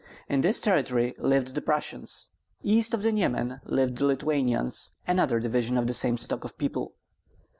In this territory lived the Prussians. East of the Niemen lived the Lithuanians, another division of the same stock of people.